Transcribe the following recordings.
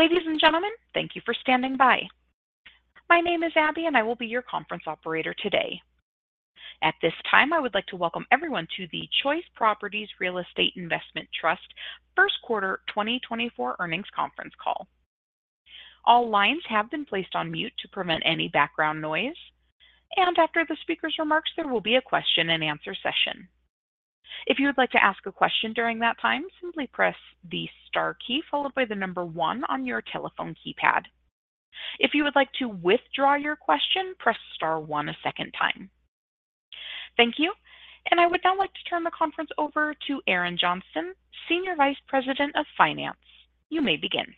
Ladies and gentlemen, thank you for standing by. My name is Abby, and I will be your conference operator today. At this time, I would like to welcome everyone to the Choice Properties Real Estate Investment Trust First Quarter 2024 Earnings Conference Call. All lines have been placed on mute to prevent any background noise, and after the speaker's remarks, there will be a question-and-answer session. If you would like to ask a question during that time, simply press the star key followed by the number 1 on your telephone keypad. If you would like to withdraw your question, press star 1 a second time. Thank you. And I would now like to turn the conference over to Erin Johnston, Senior Vice President of Finance. You may begin.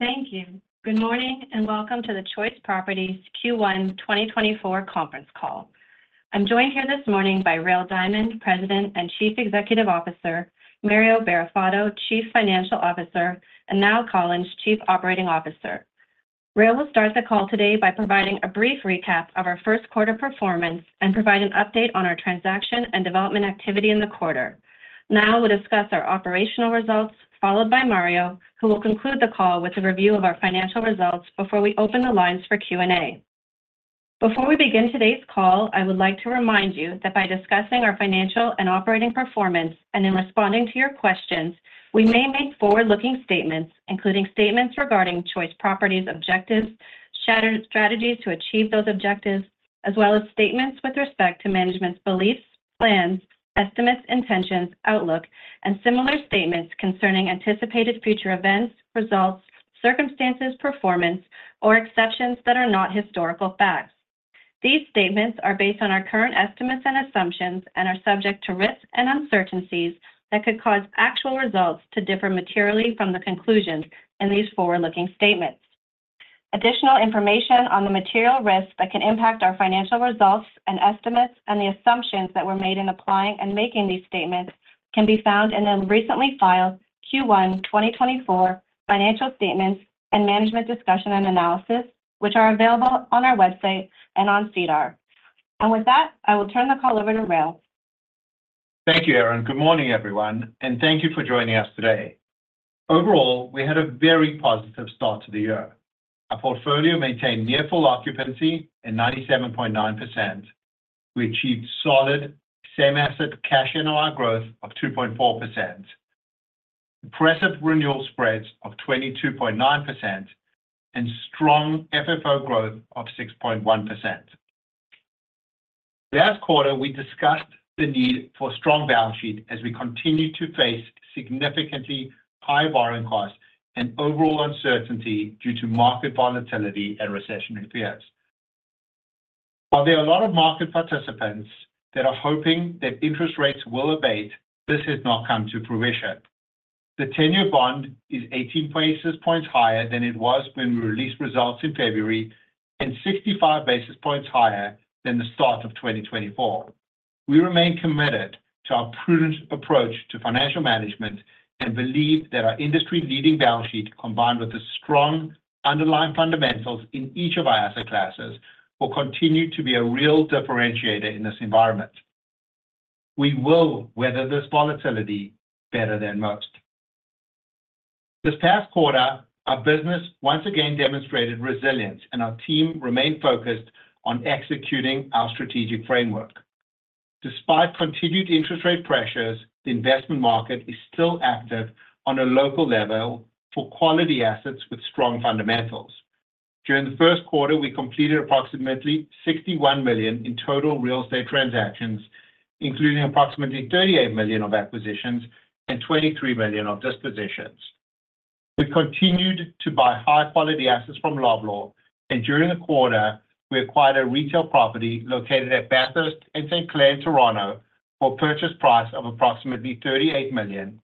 Thank you. Good morning, and welcome to the Choice Properties Q1 2024 Conference Call. I'm joined here this morning by Rael Diamond, President and Chief Executive Officer, Mario Barrafato, Chief Financial Officer, and Niall Collins, Chief Operating Officer. Rael will start the call today by providing a brief recap of our first quarter performance and provide an update on our transaction and development activity in the quarter. Niall will discuss our operational results, followed by Mario, who will conclude the call with a review of our financial results before we open the lines for Q&A. Before we begin today's call, I would like to remind you that by discussing our financial and operating performance and in responding to your questions, we may make forward-looking statements, including statements regarding Choice Properties' objectives, strategies to achieve those objectives, as well as statements with respect to management's beliefs, plans, estimates, intentions, outlook, and similar statements concerning anticipated future events, results, circumstances, performance, or exceptions that are not historical facts. These statements are based on our current estimates and assumptions and are subject to risks and uncertainties that could cause actual results to differ materially from the conclusions in these forward-looking statements. Additional information on the material risks that can impact our financial results and estimates and the assumptions that were made in applying and making these statements can be found in the recently filed Q1 2024 financial statements and management discussion and analysis, which are available on our website and on SEDAR+. And with that, I will turn the call over to Rael. Thank you, Erin. Good morning, everyone, and thank you for joining us today. Overall, we had a very positive start to the year. Our portfolio maintained near full occupancy at 97.9%. We achieved solid same-asset cash NOI growth of 2.4%, impressive renewal spreads of 22.9%, and strong FFO growth of 6.1%. Last quarter, we discussed the need for a strong balance sheet as we continue to face significantly high borrowing costs and overall uncertainty due to market volatility and recessionary fears. While there are a lot of market participants that are hoping that interest rates will abate, this has not come to fruition. The ten-year bond is 18 basis points higher than it was when we released results in February and 65 basis points higher than the start of 2024. We remain committed to our prudent approach to financial management and believe that our industry-leading balance sheet, combined with the strong underlying fundamentals in each of our asset classes, will continue to be a real differentiator in this environment. We will weather this volatility better than most. This past quarter, our business once again demonstrated resilience, and our team remained focused on executing our strategic framework. Despite continued interest rate pressures, the investment market is still active on a local level for quality assets with strong fundamentals. During the first quarter, we completed approximately 61 million in total real estate transactions, including approximately 38 million of acquisitions and 23 million of dispositions. We continued to buy high-quality assets from Loblaw, and during the quarter, we acquired a retail property located at Bathurst and St. Clair, Toronto, for a purchase price of approximately 38 million,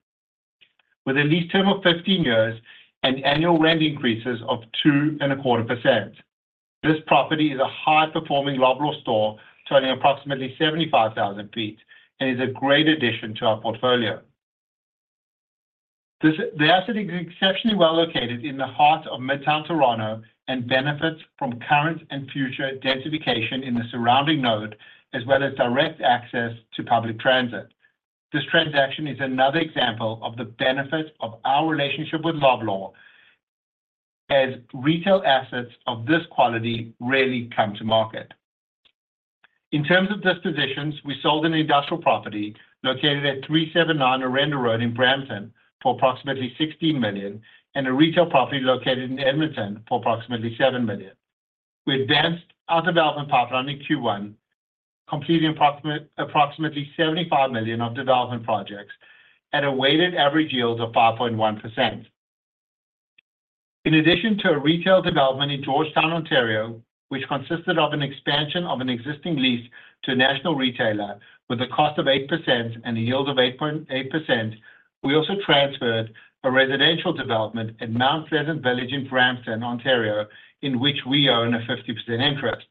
with a lease term of 15 years and annual rent increases of 2.25%. This property is a high-performing Loblaw store totaling approximately 75,000 sq ft and is a great addition to our portfolio. The asset is exceptionally well located in the heart of Midtown Toronto and benefits from current and future densification in the surrounding node, as well as direct access to public transit. This transaction is another example of the benefit of our relationship with Loblaw, as retail assets of this quality rarely come to market. In terms of dispositions, we sold an industrial property located at 379 Orenda Road in Brampton for approximately 16 million and a retail property located in Edmonton for approximately 7 million. We advanced our development pipeline in Q1, completing approximately 75 million of development projects at a weighted average yield of 5.1%. In addition to a retail development in Georgetown, Ontario, which consisted of an expansion of an existing lease to a national retailer with a cost of 8% and a yield of 8.8%, we also transferred a residential development at Mount Pleasant Village in Brampton, Ontario, in which we own a 50% interest.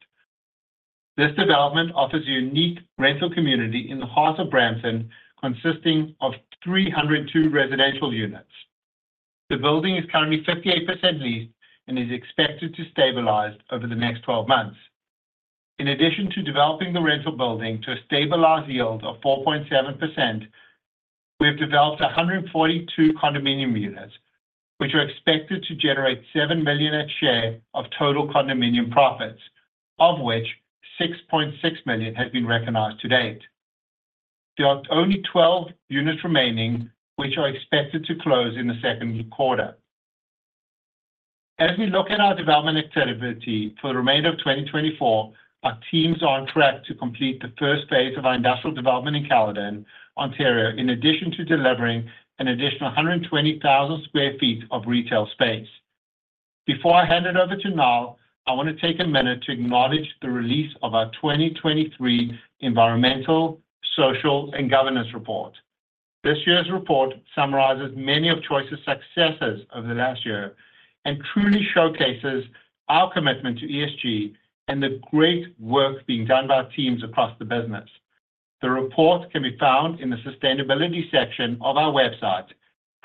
This development offers a unique rental community in the heart of Brampton, consisting of 302 residential units. The building is currently 58% leased and is expected to stabilize over the next 12 months. In addition to developing the rental building to a stabilized yield of 4.7%, we have developed 142 condominium units, which are expected to generate 7 million a share of total condominium profits, of which 6.6 million has been recognized to date. There are only 12 units remaining, which are expected to close in the second quarter. As we look at our development activity for the remainder of 2024, our team's on track to complete the first phase of our industrial development in Caledon, Ontario, in addition to delivering an additional 120,000 sq ft of retail space. Before I hand it over to Niall, I want to take a minute to acknowledge the release of our 2023 Environmental, Social, and Governance Report. This year's report summarizes many of Choice's successes over the last year and truly showcases our commitment to ESG and the great work being done by our teams across the business. The report can be found in the sustainability section of our website,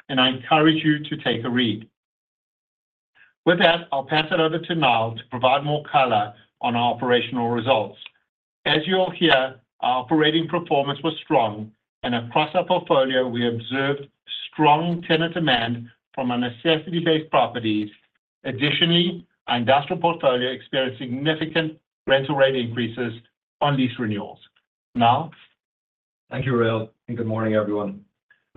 and I encourage you to take a read. With that, I'll pass it over to Niall to provide more color on our operational results. As you'll hear, our operating performance was strong, and across our portfolio, we observed strong tenant demand from our necessity-based properties. Additionally, our industrial portfolio experienced significant rental rate increases on lease renewals. Niall? Thank you, Rael, and good morning, everyone.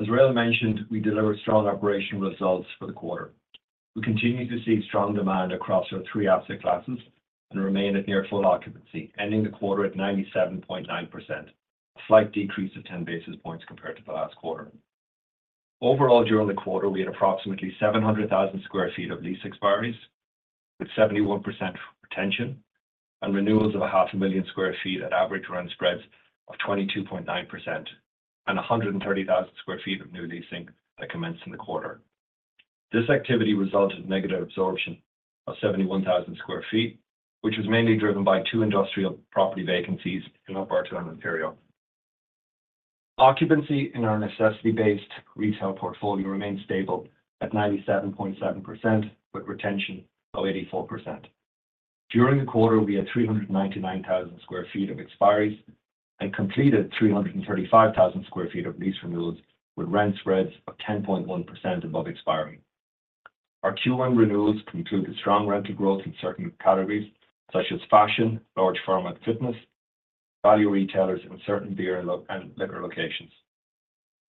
As Rael mentioned, we delivered strong operational results for the quarter. We continue to see strong demand across our three asset classes and remain at near full occupancy, ending the quarter at 97.9%, a slight decrease of 10 basis points compared to the last quarter. Overall, during the quarter, we had approximately 700,000 sq ft of lease expiries with 71% retention and renewals of 500,000 sq ft at average rent spreads of 22.9% and 130,000 sq ft of new leasing that commenced in the quarter. This activity resulted in negative absorption of 71,000 sq ft, which was mainly driven by two industrial property vacancies in Upper Ottawa, Ontario. Occupancy in our necessity-based retail portfolio remained stable at 97.7% with retention of 84%. During the quarter, we had 399,000 sq ft of expiries and completed 335,000 sq ft of lease renewals with rent spreads of 10.1% above expiry. Our Q1 renewals concluded strong rental growth in certain categories such as fashion, large-format fitness, value retailers, and certain beer and liquor locations.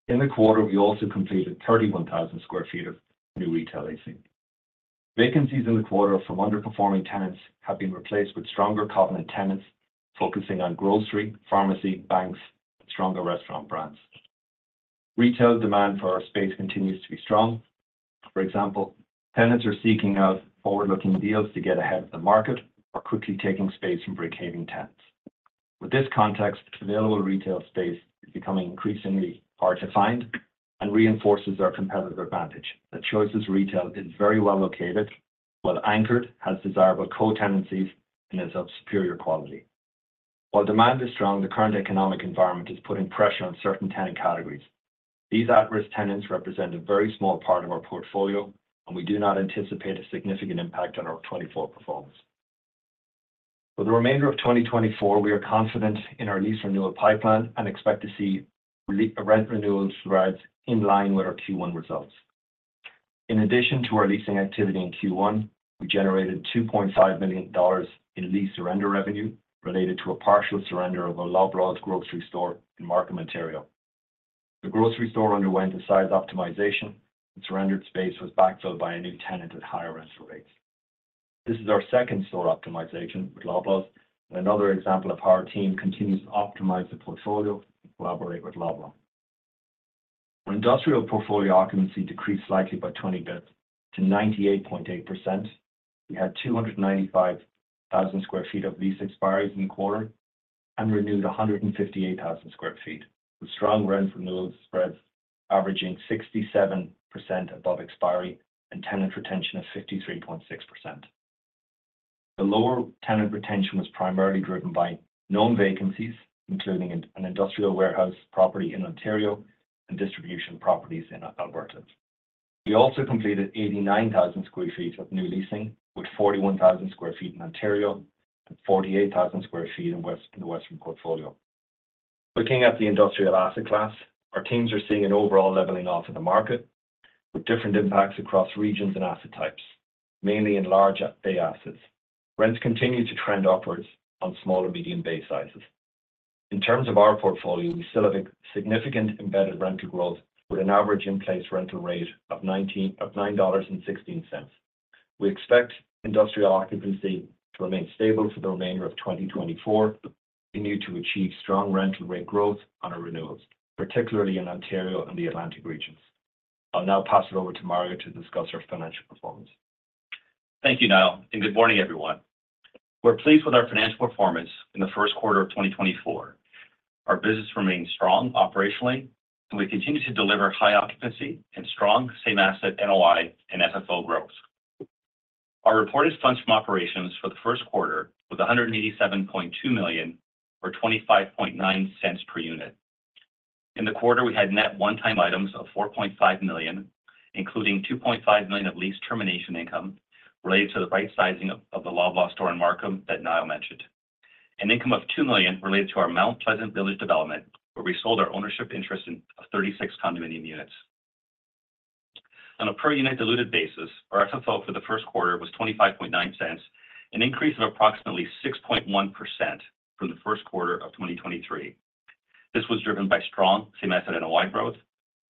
In the quarter, we also completed 31,000 sq ft of new retail leasing. Vacancies in the quarter from underperforming tenants have been replaced with stronger covenant tenants focusing on grocery, pharmacy, banks, and stronger restaurant brands. Retail demand for our space continues to be strong. For example, tenants are seeking out forward-looking deals to get ahead of the market or quickly taking space from break-having tenants. With this context, available retail space is becoming increasingly hard to find and reinforces our competitive advantage that Choice's retail is very well located, well-anchored, has desirable co-tenancies, and is of superior quality. While demand is strong, the current economic environment is putting pressure on certain tenant categories. These at-risk tenants represent a very small part of our portfolio, and we do not anticipate a significant impact on our 2024 performance. For the remainder of 2024, we are confident in our lease renewal pipeline and expect to see rent renewal spreads in line with our Q1 results. In addition to our leasing activity in Q1, we generated 2.5 million dollars in lease surrender revenue related to a partial surrender of a Loblaw grocery store in Markham, Ontario. The grocery store underwent a size optimization, and surrendered space was backfilled by a new tenant at higher rental rates. This is our second store optimization with Loblaw, and another example of how our team continues to optimize the portfolio and collaborate with Loblaw. Our industrial portfolio occupancy decreased slightly by 20 basis points to 98.8%. We had 295,000 sq ft of lease expiries in the quarter and renewed 158,000 sq ft with strong rent renewal spreads averaging 67% above expiry and tenant retention of 53.6%. The lower tenant retention was primarily driven by known vacancies, including an industrial warehouse property in Ontario and distribution properties in Alberta. We also completed 89,000 sq ft of new leasing with 41,000 sq ft in Ontario and 48,000 sq ft in the Western portfolio. Looking at the industrial asset class, our teams are seeing an overall leveling off in the market with different impacts across regions and asset types, mainly in large bay assets. Rents continue to trend upwards on small and medium bay sizes. In terms of our portfolio, we still have significant embedded rental growth with an average in-place rental rate of 9.16 dollars. We expect industrial occupancy to remain stable for the remainder of 2024. We need to achieve strong rental rate growth on our renewals, particularly in Ontario and the Atlantic regions. I'll now pass it over to Mario to discuss our financial performance. Thank you, Niall, and good morning, everyone. We're pleased with our financial performance in the first quarter of 2024. Our business remains strong operationally, and we continue to deliver high occupancy and strong same-asset NOI and FFO growth. Our reported funds from operations for the first quarter were 187.2 million or 0.259 per unit. In the quarter, we had net one-time items of 4.5 million, including 2.5 million of lease termination income related to the right-sizing of the Loblaw store in Markham that Niall mentioned, an income of 2 million related to our Mount Pleasant Village development where we sold our ownership interest in 36 condominium units. On a per-unit diluted basis, our FFO for the first quarter was 0.259, an increase of approximately 6.1% from the first quarter of 2023. This was driven by strong same-asset NOI growth,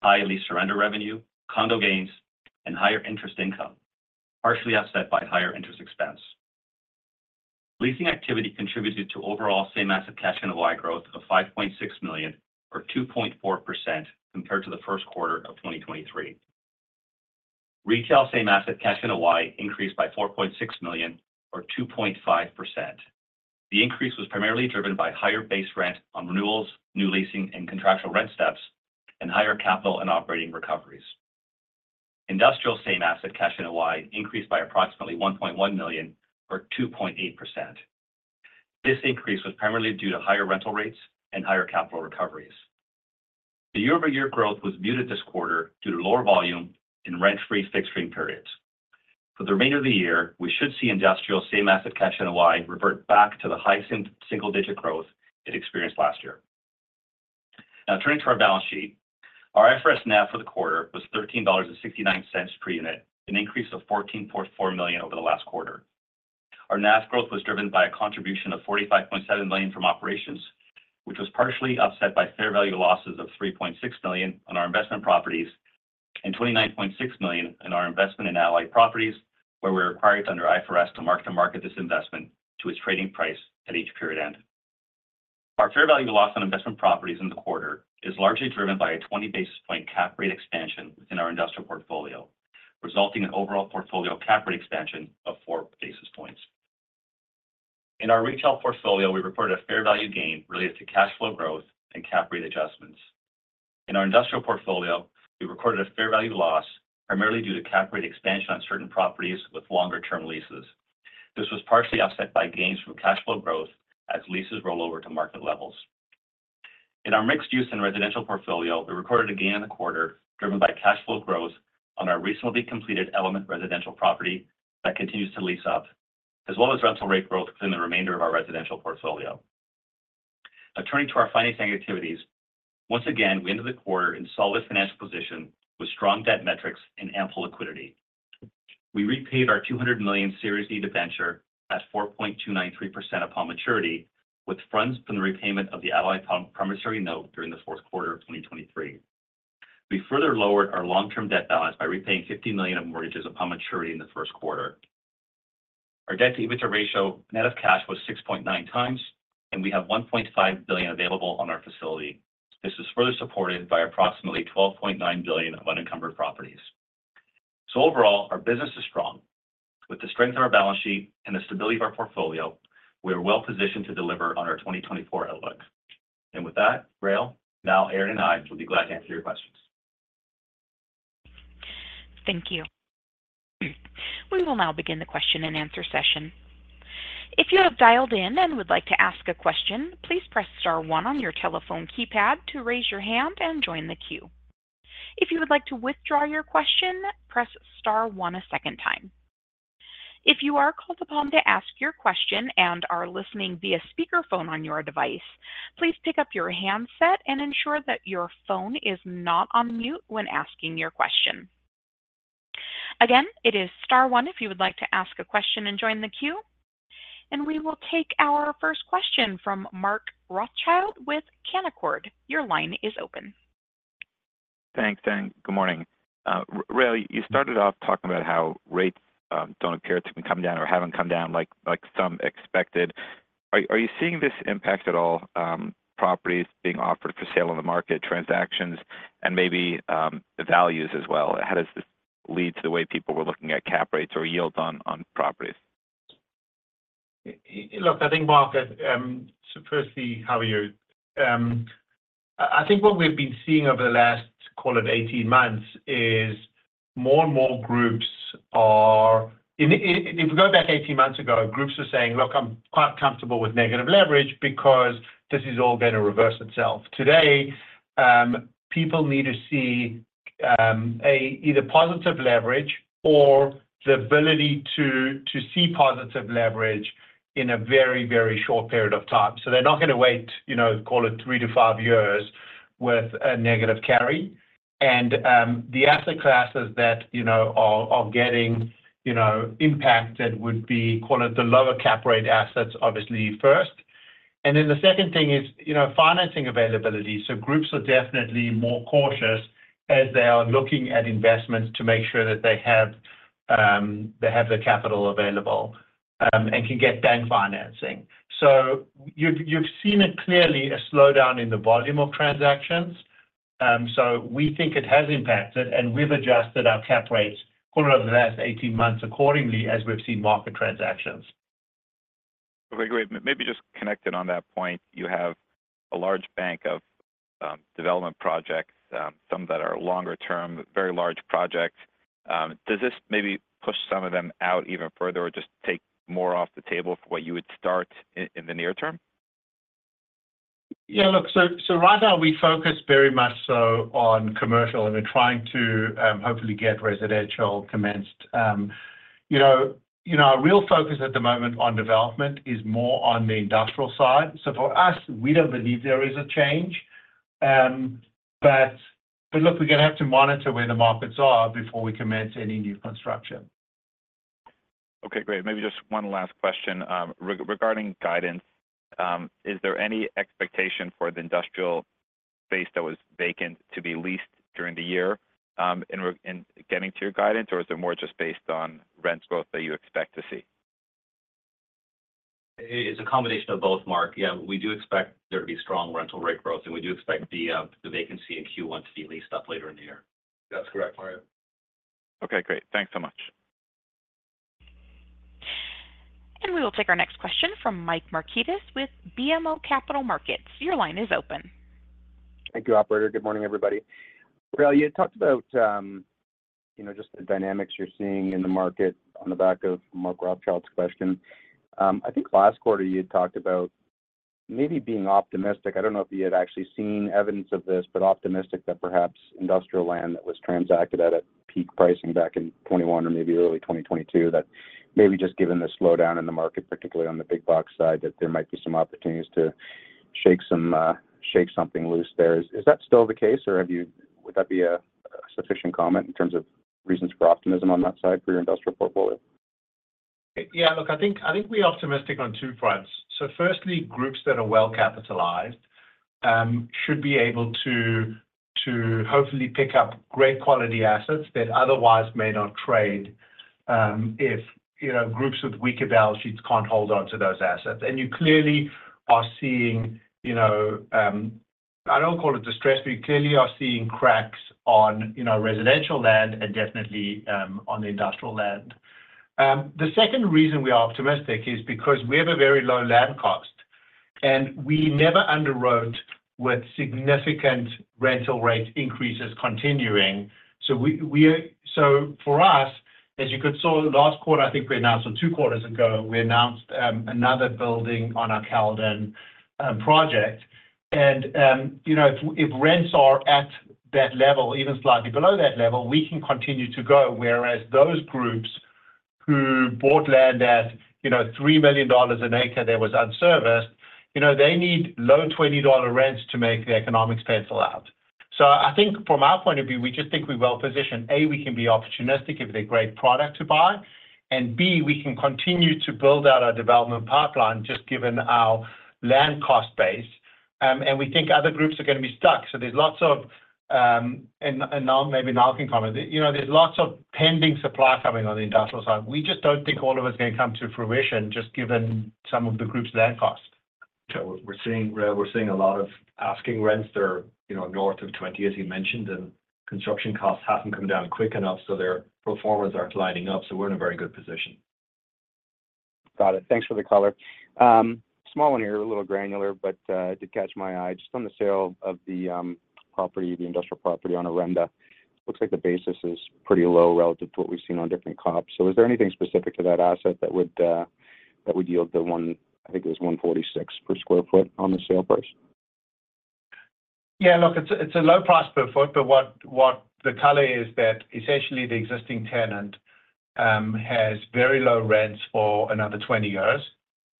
high lease surrender revenue, condo gains, and higher interest income, partially offset by higher interest expense. Leasing activity contributed to overall same-asset cash NOI growth of 5.6 million or 2.4% compared to the first quarter of 2023. Retail same-asset cash NOI increased by 4.6 million or 2.5%. The increase was primarily driven by higher base rent on renewals, new leasing, and contractual rent steps, and higher capital and operating recoveries. Industrial same-asset cash NOI increased by approximately 1.1 million or 2.8%. This increase was primarily due to higher rental rates and higher capital recoveries. The year-over-year growth was muted this quarter due to lower volume in rent-free fixturing periods. For the remainder of the year, we should see industrial same-asset cash NOI revert back to the high single-digit growth it experienced last year. Now, turning to our balance sheet, our IFRS NAV for the quarter was 13.69 dollars per unit, an increase of 14.4 million over the last quarter. Our NAV growth was driven by a contribution of 45.7 million from operations, which was partially offset by fair value losses of 3.6 million on our investment properties and 29.6 million in our investment in Allied Properties, where we were required under IFRS to mark-to-market this investment to its trading price at each period end. Our fair value loss on investment properties in the quarter is largely driven by a 20 basis point cap rate expansion within our industrial portfolio, resulting in overall portfolio cap rate expansion of 4 basis points. In our retail portfolio, we reported a fair value gain related to cash flow growth and cap rate adjustments. In our industrial portfolio, we recorded a fair value loss primarily due to cap rate expansion on certain properties with longer-term leases. This was partially offset by gains from cash flow growth as leases roll over to market levels. In our mixed-use and residential portfolio, we recorded a gain in the quarter driven by cash flow growth on our recently completed Element Residential property that continues to lease up, as well as rental rate growth within the remainder of our residential portfolio. Now, turning to our financing activities, once again, we ended the quarter in solid financial position with strong debt metrics and ample liquidity. We repaid our 200 million Series D debentures at 4.293% upon maturity with funds from the repayment of the Allied promissory note during the fourth quarter of 2023. We further lowered our long-term debt balance by repaying 50 million of mortgages upon maturity in the first quarter. Our debt-to-EBITDA ratio net of cash was 6.9x, and we have 1.5 billion available on our facility. This is further supported by approximately 12.9 billion of unencumbered properties. So overall, our business is strong. With the strength of our balance sheet and the stability of our portfolio, we are well-positioned to deliver on our 2024 outlook. And with that, Rael, Niall, Erin, and I, we'll be glad to answer your questions. Thank you. We will now begin the question and answer session. If you have dialed in and would like to ask a question, please press star 1 on your telephone keypad to raise your hand and join the queue. If you would like to withdraw your question, press star 1 a second time. If you are called upon to ask your question and are listening via speakerphone on your device, please pick up your handset and ensure that your phone is not on mute when asking your question. Again, it is star 1 if you would like to ask a question and join the queue. We will take our first question from Mark Rothschild with Canaccord. Your line is open. Thanks and Good morning. Rael, you started off talking about how rates don't appear to be coming down or haven't come down like some expected. Are you seeing this impact at all, properties being offered for sale on the market, transactions, and maybe the values as well? How does this lead to the way people were looking at cap rates or yields on properties? Look, I think, Mark, firstly, how are you? I think what we've been seeing over the last, call it, 18 months is more and more groups are if we go back 18 months ago, groups were saying, "Look, I'm quite comfortable with negative leverage because this is all going to reverse itself." Today, people need to see either positive leverage or the ability to see positive leverage in a very, very short period of time. So they're not going to wait, call it, 3-5 years with a negative carry. And the asset classes that are getting impacted would be, call it, the lower cap rate assets, obviously, first. And then the second thing is financing availability. So groups are definitely more cautious as they are looking at investments to make sure that they have the capital available and can get bank financing. So you've seen it clearly, a slowdown in the volume of transactions. So we think it has impacted, and we've adjusted our cap rates, call it, over the last 18 months accordingly as we've seen market transactions. Okay, great. Maybe just connected on that point, you have a large bank of development projects, some that are longer-term, very large projects. Does this maybe push some of them out even further or just take more off the table for what you would start in the near term? Yeah, look, so right now, we focus very much so on commercial, and we're trying to hopefully get residential commenced. Our real focus at the moment on development is more on the industrial side. So for us, we don't believe there is a change. But look, we're going to have to monitor where the markets are before we commence any new construction. Okay, great. Maybe just one last question. Regarding guidance, is there any expectation for the industrial space that was vacant to be leased during the year in getting to your guidance, or is it more just based on rent growth that you expect to see? It's a combination of both, Mark. Yeah, we do expect there to be strong rental rate growth, and we do expect the vacancy in Q1 to be leased up later in the year. That's correct, Mario. Okay, great. Thanks so much. We will take our next question from Mike Markidis with BMO Capital Markets. Your line is open. Thank you, operator. Good morning, everybody. Rael, you had talked about just the dynamics you're seeing in the market on the back of Mark Rothschild's question. I think last quarter, you had talked about maybe being optimistic. I don't know if you had actually seen evidence of this, but optimistic that perhaps industrial land that was transacted at a peak pricing back in 2021 or maybe early 2022, that maybe just given the slowdown in the market, particularly on the big-box side, that there might be some opportunities to shake something loose there. Is that still the case, or would that be a sufficient comment in terms of reasons for optimism on that side for your industrial portfolio? Yeah, look, I think we're optimistic on two fronts. So firstly, groups that are well capitalized should be able to hopefully pick up great quality assets that otherwise may not trade if groups with weaker balance sheets can't hold onto those assets. And you clearly are seeing I don't call it distress, but you clearly are seeing cracks on residential land and definitely on the industrial land. The second reason we are optimistic is because we have a very low land cost, and we never underwrote with significant rental rate increases continuing. So for us, as you could see last quarter, I think we announced two quarters ago, we announced another building on our Caledon project. And if rents are at that level, even slightly below that level, we can continue to go. Whereas those groups who bought land at 3 million dollars an acre that was unserviced, they need low 20 dollar rents to make the economics pencil out. So I think from our point of view, we just think we're well-positioned. A, we can be opportunistic if they're great product to buy. And B, we can continue to build out our development pipeline just given our land cost base. And we think other groups are going to be stuck. So there's lots of and maybe Niall can comment. There's lots of pending supply coming on the industrial side. We just don't think all of it's going to come to fruition just given some of the groups' land costs. We're seeing a lot of asking rents. They're north of 20, as you mentioned, and construction costs haven't come down quick enough, so their performance aren't lining up. So we're in a very good position. Got it. Thanks for the color. Small one here, a little granular, but it did catch my eye. Just on the sale of the property, the industrial property on Orenda, looks like the basis is pretty low relative to what we've seen on different cap rates. So is there anything specific to that asset that would yield the one I think it was 146 per sq ft on the sale price? Yeah, look, it's a low price per foot, but what the color is that essentially the existing tenant has very low rents for another 20 years.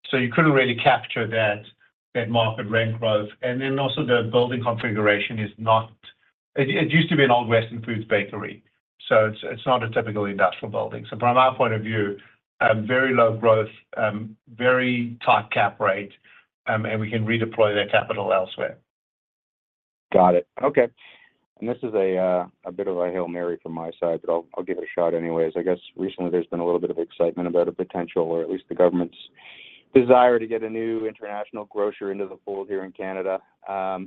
So you couldn't really capture that market rent growth. And then also the building configuration is not; it used to be an old Weston Foods bakery. So it's not a typical industrial building. So from our point of view, very low growth, very tight cap rate, and we can redeploy that capital elsewhere. Got it. Okay. And this is a bit of a Hail Mary from my side, but I'll give it a shot anyways. I guess recently, there's been a little bit of excitement about a potential, or at least the government's desire, to get a new international grocer into the fold here in Canada.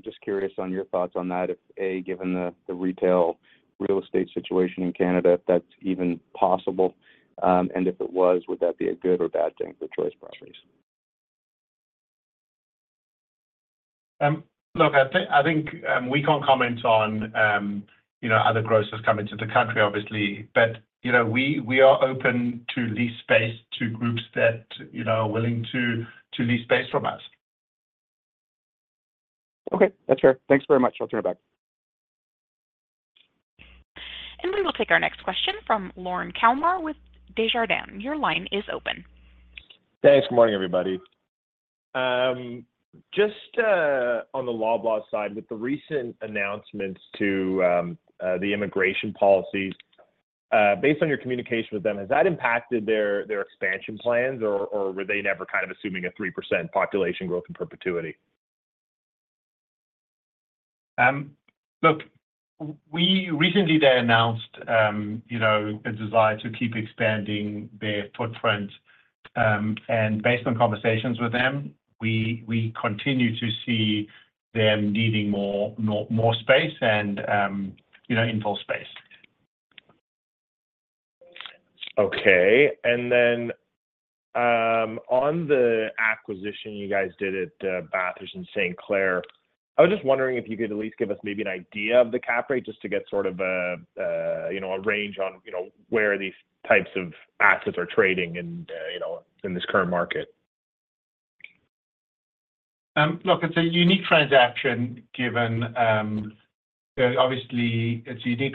Just curious on your thoughts on that, if A, given the retail real estate situation in Canada, if that's even possible. And if it was, would that be a good or bad thing for Choice Properties? Look, I think we can't comment on other grocers coming to the country, obviously, but we are open to lease space to groups that are willing to lease space from us. Okay, that's fair. Thanks very much. I'll turn it back. We will take our next question from Lorne Kalmar with Desjardins. Your line is open. Thanks. Good morning, everybody. Just on the Loblaw side, with the recent announcements to the immigration policies, based on your communication with them, has that impacted their expansion plans, or were they never kind of assuming a 3% population growth in perpetuity? Look, recently, they announced a desire to keep expanding their footprint. Based on conversations with them, we continue to see them needing more space and infill space. Okay. And then on the acquisition you guys did at Bathurst and St. Clair, I was just wondering if you could at least give us maybe an idea of the cap rate just to get sort of a range on where these types of assets are trading in this current market? Look, it's a unique transaction given, obviously, the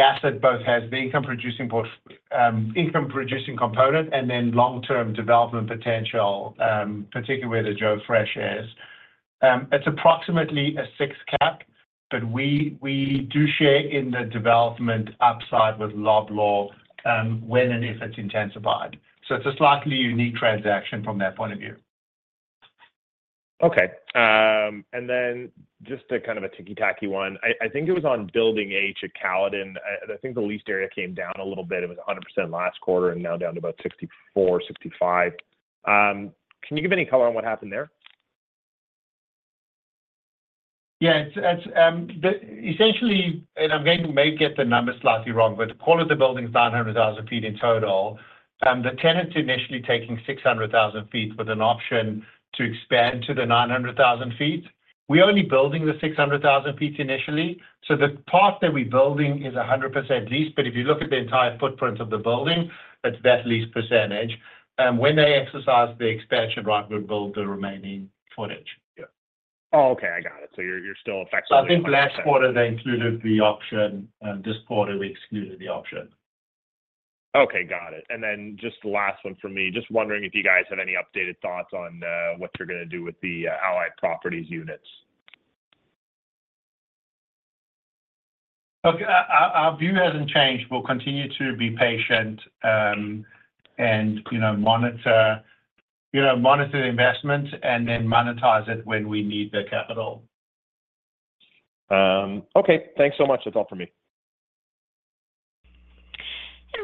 asset both has the income-producing component and then long-term development potential, particularly where the Joe Fresh is. It's approximately a 6 cap, but we do share in the development upside with Loblaw when and if it's intensified. So it's a slightly unique transaction from that point of view. Okay. Then just a kind of a ticky-tacky one, I think it was on Building H at Caledon. I think the lease area came down a little bit. It was 100% last quarter and now down to about 64%-65%. Can you give any color on what happened there? Yeah. Essentially, and I'm going to maybe get the numbers slightly wrong, but call it the building's 900,000 sq ft in total. The tenant's initially taking 600,000 sq ft with an option to expand to the 900,000 sq ft. We're only building the 600,000 sq ft initially. So the part that we're building is 100% leased, but if you look at the entire footprint of the building, it's that leased percentage. When they exercise the expansion right, we'll build the remaining footage. Yeah. Oh, okay. I got it. So you're still effectively. I think last quarter, they included the option. This quarter, we excluded the option. Okay, got it. And then just last one from me, just wondering if you guys have any updated thoughts on what you're going to do with the Allied Properties units. Okay. Our view hasn't changed. We'll continue to be patient and monitor the investment and then monetize it when we need the capital. Okay. Thanks so much. That's all from me.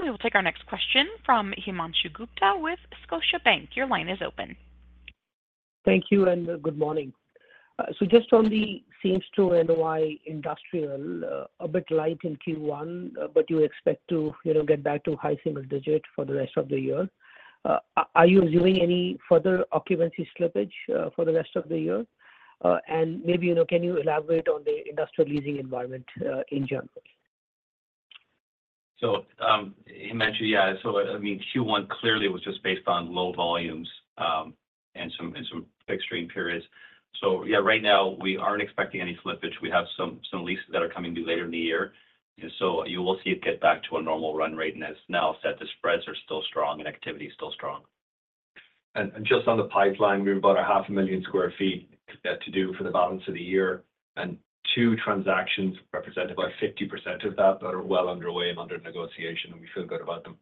We will take our next question from Himanshu Gupta with Scotiabank. Your line is open. Thank you and good morning. Just on the same-asset cash NOI industrial, a bit light in Q1, but you expect to get back to high single digit for the rest of the year. Are you assuming any further occupancy slippage for the rest of the year? And maybe can you elaborate on the industrial leasing environment in general? So Himanshu, yeah. So I mean, Q1 clearly was just based on low volumes and some fixed rate periods. So yeah, right now, we aren't expecting any slippage. We have some leases that are coming due later in the year. And so you will see it get back to a normal run rate now that the spreads are still strong and activity's still strong. Just on the pipeline, we've got 500,000 sq ft to do for the balance of the year. Two transactions represent about 50% of that are well underway and under negotiation, and we feel good about them.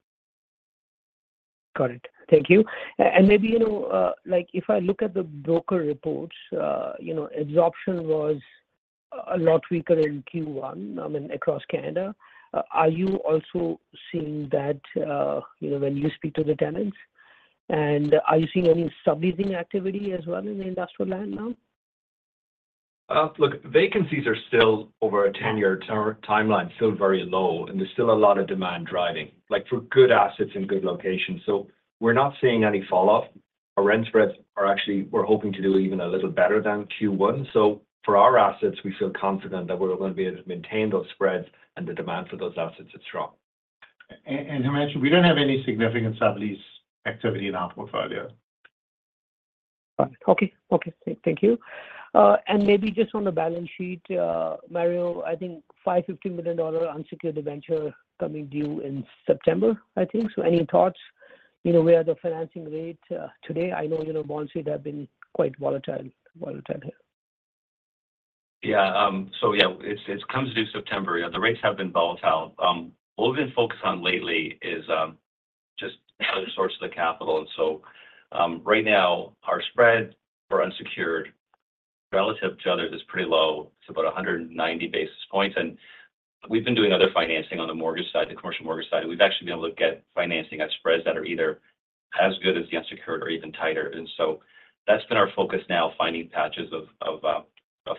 Got it. Thank you. Maybe if I look at the broker reports, absorption was a lot weaker in Q1, I mean, across Canada. Are you also seeing that when you speak to the tenants? And are you seeing any subleasing activity as well in the industrial land now? Look, vacancies are still over a 10-year timeline, still very low, and there's still a lot of demand driving for good assets in good locations. So we're not seeing any falloff. Our rent spreads are actually, we're hoping to do even a little better than Q1. So for our assets, we feel confident that we're going to be able to maintain those spreads, and the demand for those assets is strong. And Himanshu, we don't have any significant sublease activity in our portfolio. Right. Okay. Okay. Thank you. Maybe just on the balance sheet, Mario, I think 550 million dollar unsecured debenture coming due in September, I think. So any thoughts? Where are the financing rates today? I know bond rates have been quite volatile here. Yeah. So yeah, it comes due September. The rates have been volatile. What we've been focused on lately is just other sources of capital. And so right now, our spread for unsecured relative to others is pretty low. It's about 190 basis points. And we've been doing other financing on the mortgage side, the commercial mortgage side. And we've actually been able to get financing at spreads that are either as good as the unsecured or even tighter. And so that's been our focus now, finding patches of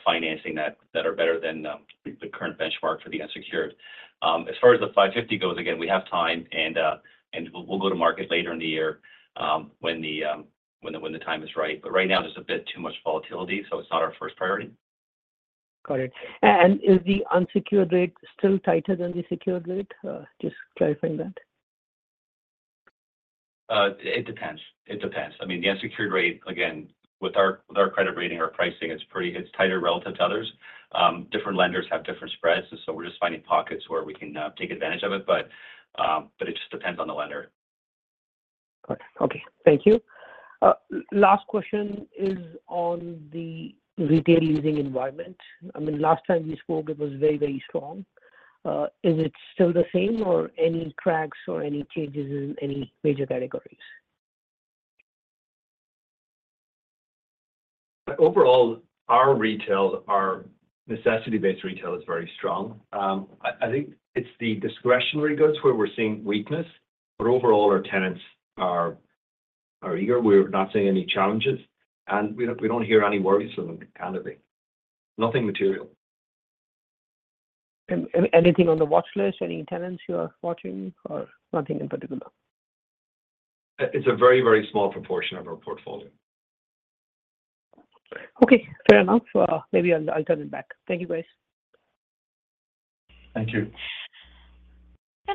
financing that are better than the current benchmark for the unsecured. As far as the 550 goes, again, we have time, and we'll go to market later in the year when the time is right. But right now, there's a bit too much volatility, so it's not our first priority. Got it. And is the unsecured rate still tighter than the secured rate? Just clarifying that. It depends. It depends. I mean, the unsecured rate, again, with our credit rating or pricing, it's tighter relative to others. Different lenders have different spreads, and so we're just finding pockets where we can take advantage of it. But it just depends on the lender. Got it. Okay. Thank you. Last question is on the retail leasing environment. I mean, last time we spoke, it was very, very strong. Is it still the same, or any cracks or any changes in any major categories? Overall, our retail, our necessity-based retail, is very strong. I think it's the discretionary goods where we're seeing weakness. But overall, our tenants are eager. We're not seeing any challenges. We don't hear any worries from them, candidly. Nothing material. Anything on the watchlist, any tenants you are watching, or nothing in particular? It's a very, very small proportion of our portfolio. Okay. Fair enough. Maybe I'll turn it back. Thank you, guys. Thank you.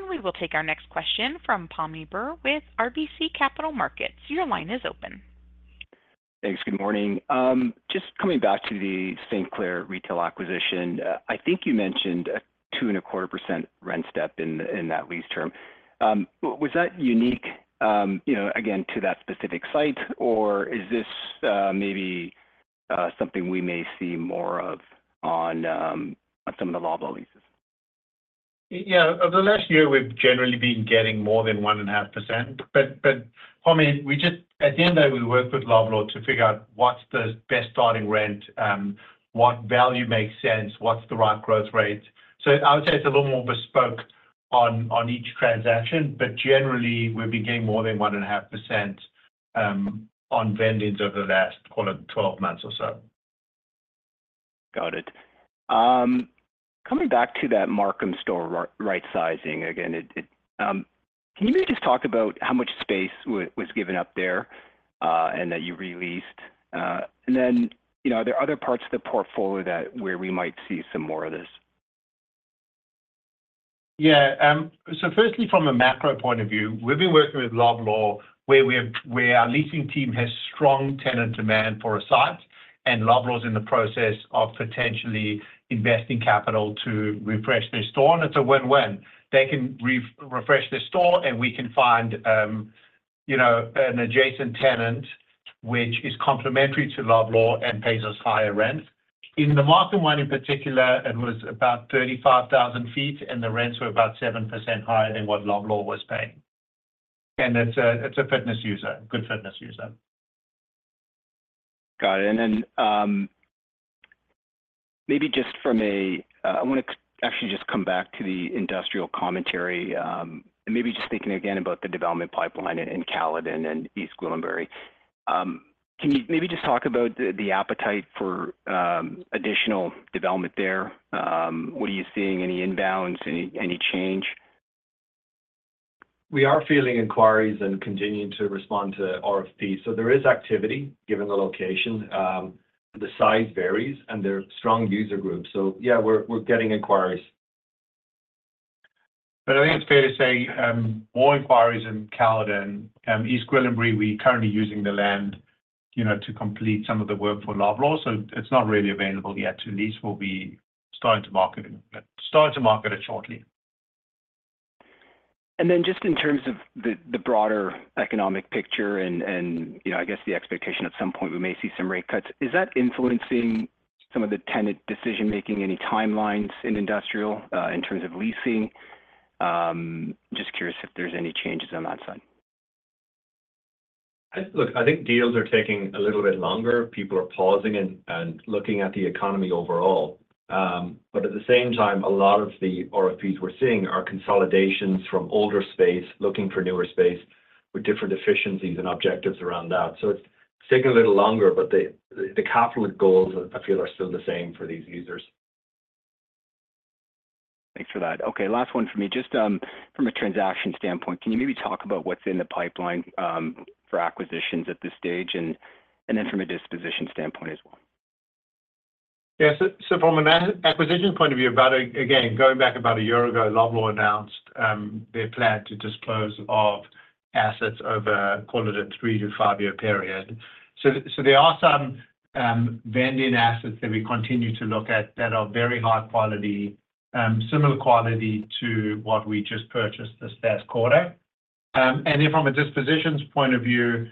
We will take our next question from Pammi Bir with RBC Capital Markets. Your line is open. Thanks. Good morning. Just coming back to the St. Clair retail acquisition, I think you mentioned a 2.25% rent step in that lease term. Was that unique, again, to that specific site, or is this maybe something we may see more of on some of the Loblaw leases? Yeah. Over the last year, we've generally been getting more than 1.5%. But Pammi, at the end of the day, we work with Loblaw to figure out what's the best starting rent, what value makes sense, what's the right growth rate. So I would say it's a little more bespoke on each transaction. But generally, we've been getting more than 1.5% on vend-ins over the last, call it, 12 months or so. Got it. Coming back to that Markham store right-sizing, again, can you maybe just talk about how much space was given up there and that you released? And then are there other parts of the portfolio where we might see some more of this? Yeah. So firstly, from a macro point of view, we've been working with Loblaw where our leasing team has strong tenant demand for a site, and Loblaw's in the process of potentially investing capital to refresh their store. And it's a win-win. They can refresh their store, and we can find an adjacent tenant which is complementary to Loblaw and pays us higher rent. In the Markham one in particular, it was about 35,000 sq ft, and the rents were about 7% higher than what Loblaw was paying. And it's a fitness user, good fitness user. Got it. And then maybe just from a, I want to actually just come back to the industrial commentary. And maybe just thinking again about the development pipeline in Caledon and East Gwillimbury, can you maybe just talk about the appetite for additional development there? What are you seeing? Any inbounds, any change? We are fielding inquiries and continuing to respond to RFP. So there is activity given the location. The size varies, and there are strong user groups. So yeah, we're getting inquiries. But I think it's fair to say more inquiries in Caledon. East Gwillimbury, we're currently using the land to complete some of the work for Loblaw. So it's not really available yet to lease. We'll be starting to market it shortly. And then just in terms of the broader economic picture and I guess the expectation at some point we may see some rate cuts, is that influencing some of the tenant decision-making, any timelines in industrial in terms of leasing? Just curious if there's any changes on that side. Look, I think deals are taking a little bit longer. People are pausing and looking at the economy overall. But at the same time, a lot of the RFPs we're seeing are consolidations from older space looking for newer space with different efficiencies and objectives around that. So it's taking a little longer, but the capital goals, I feel, are still the same for these users. Thanks for that. Okay. Last one from me. Just from a transaction standpoint, can you maybe talk about what's in the pipeline for acquisitions at this stage and then from a disposition standpoint as well? Yeah. So from an acquisition point of view, again, going back about a year ago, Loblaw announced their plan to dispose of assets over, call it, a 3-5-year period. So there are some vending assets that we continue to look at that are very high quality, similar quality to what we just purchased this last quarter. And then from a dispositions point of view,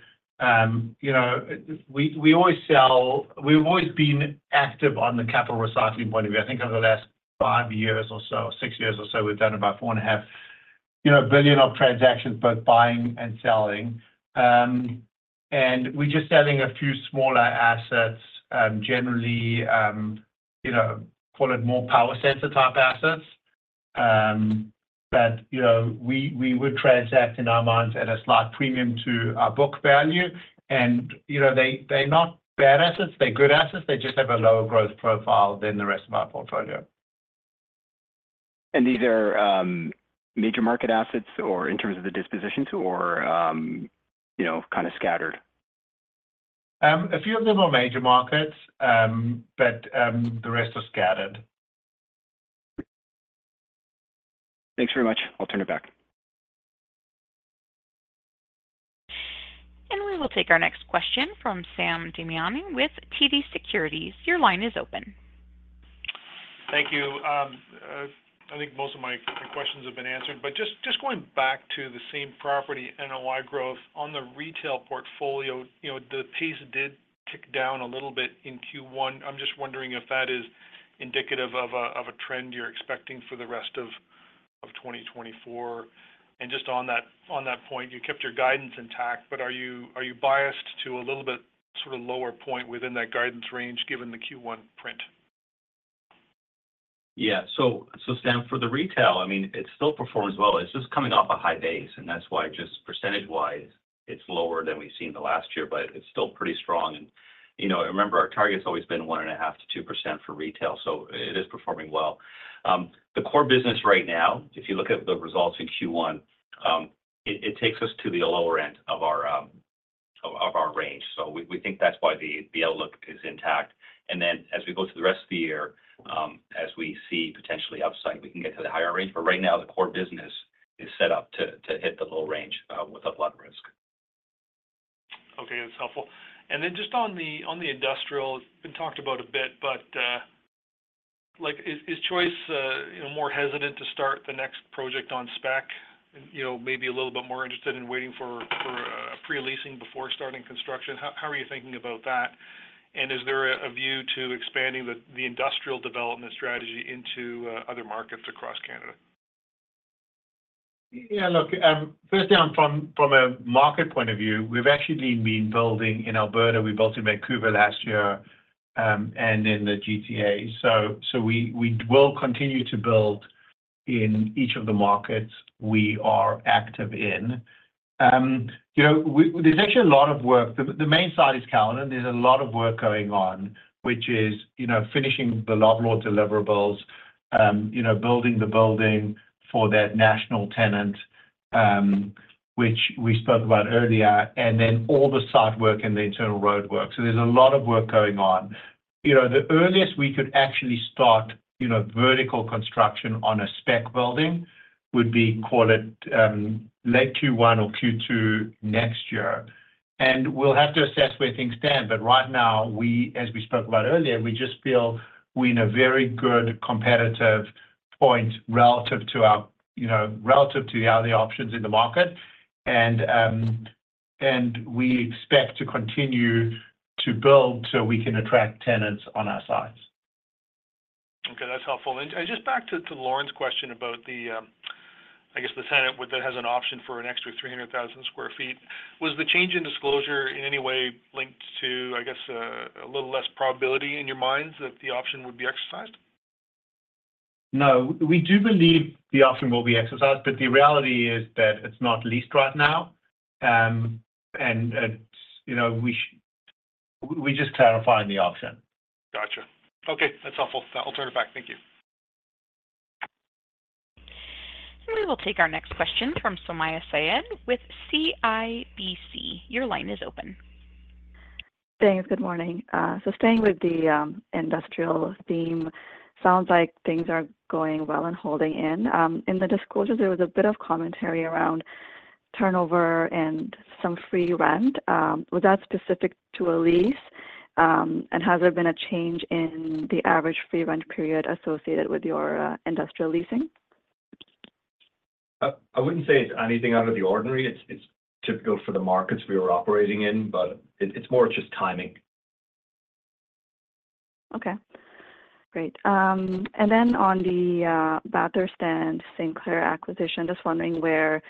we always sell. We've always been active on the capital recycling point of view. I think over the last 5 years or so, 6 years or so, we've done about 4.5 billion of transactions, both buying and selling. And we're just selling a few smaller assets, generally, call it, more power center-type assets. But we would transact in our minds at a slight premium to our book value. And they're not bad assets. They're good assets. They just have a lower growth profile than the rest of our portfolio. These are major market assets or in terms of the dispositions or kind of scattered? A few of them are major markets, but the rest are scattered. Thanks very much. I'll turn it back. We will take our next question from Sam Damiani with TD Securities. Your line is open. Thank you. I think most of my questions have been answered. Just going back to the same property NOI growth, on the retail portfolio, the pace did tick down a little bit in Q1. I'm just wondering if that is indicative of a trend you're expecting for the rest of 2024. Just on that point, you kept your guidance intact, but are you biased to a little bit sort of lower point within that guidance range given the Q1 print? Yeah. So Sam, for the retail, it still performs well. It's just coming off a high base, and that's why just percentage-wise, it's lower than we've seen the last year, but it's still pretty strong. And remember, our target's always been 1.5%-2% for retail, so it is performing well. The core business right now, if you look at the results in Q1, it takes us to the lower end of our range. So we think that's why the outlook is intact. And then as we go to the rest of the year, as we see potentially upside, we can get to the higher range. But right now, the core business is set up to hit the low range with a lot of risk. Okay. That's helpful. And then just on the industrial, it's been talked about a bit, but is Choice more hesitant to start the next project on spec, maybe a little bit more interested in waiting for a pre-leasing before starting construction? How are you thinking about that? And is there a view to expanding the industrial development strategy into other markets across Canada? Yeah. Look, firstly, from a market point of view, we've actually been building in Alberta. We built in Vancouver last year and in the GTA. So we will continue to build in each of the markets we are active in. There's actually a lot of work. The main site is Caledon. There's a lot of work going on, which is finishing the Loblaw deliverables, building the building for that national tenant, which we spoke about earlier, and then all the site work and the internal road work. So there's a lot of work going on. The earliest we could actually start vertical construction on a spec building would be, call it, late Q1 or Q2 next year. And we'll have to assess where things stand. Right now, as we spoke about earlier, we just feel we're in a very good competitive point relative to our relative to the other options in the market. We expect to continue to build so we can attract tenants on our sites. Okay. That's helpful. And just back to Lorne's question about, I guess, the tenant that has an option for an extra 300,000 sq ft, was the change in disclosure in any way linked to, I guess, a little less probability in your minds that the option would be exercised? No. We do believe the option will be exercised, but the reality is that it's not leased right now. We're just clarifying the option. Gotcha. Okay. That's helpful. I'll turn it back. Thank you. We will take our next question from Sumayya Syed with CIBC. Your line is open. Thanks. Good morning. So staying with the industrial theme, sounds like things are going well and holding in. In the disclosures, there was a bit of commentary around turnover and some free rent. Was that specific to a lease? And has there been a change in the average free rent period associated with your industrial leasing? I wouldn't say it's anything out of the ordinary. It's typical for the markets we were operating in, but it's more just timing. Okay. Great. And then on the Bathurst and St. Clair acquisition, just wondering where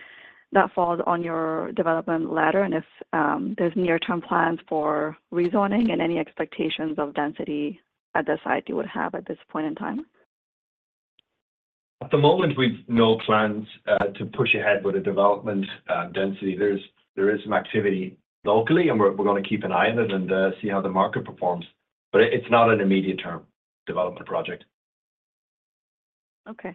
that falls on your development ladder and if there's near-term plans for rezoning and any expectations of density at the site you would have at this point in time? At the moment, we've no plans to push ahead with a development density. There is some activity locally, and we're going to keep an eye on it and see how the market performs. But it's not an immediate-term development project. Okay.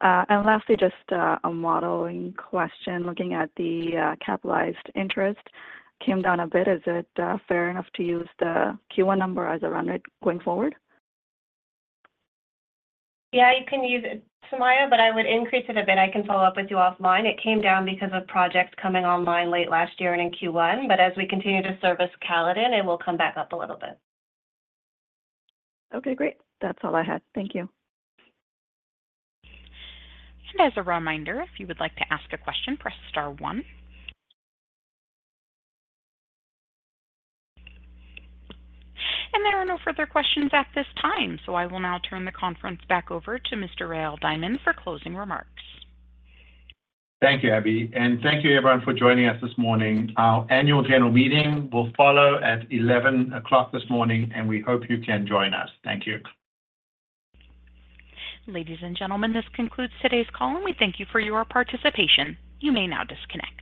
And lastly, just a modeling question. Looking at the capitalized interest, it came down a bit. Is it fair enough to use the Q1 number as a run rate going forward? Yeah, you can use it, Sumayya, but I would increase it a bit. I can follow up with you offline. It came down because of projects coming online late last year and in Q1. But as we continue to service Caledon, it will come back up a little bit. Okay. Great. That's all I had. Thank you. As a reminder, if you would like to ask a question, press star one. There are no further questions at this time. I will now turn the conference back over to Mr. Rael Diamond for closing remarks. Thank you, Abby. Thank you, everyone, for joining us this morning. Our annual general meeting will follow at 11:00 A.M. this morning, and we hope you can join us. Thank you. Ladies and gentlemen, this concludes today's call, and we thank you for your participation. You may now disconnect.